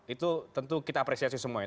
itu tentu kita apresiasi semuanya